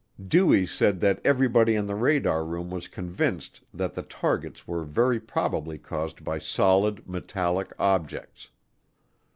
Dewey said that everybody in the radar room was convinced that the targets were very probably caused by solid metallic objects.